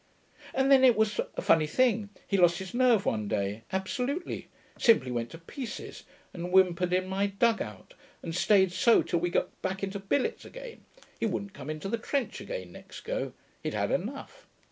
'And then it was a funny thing he lost his nerve one day absolutely; simply went to pieces and whimpered in my dug out, and stayed so till we got back into billets again. He wouldn't come in to the trench again next go; he'd had enough.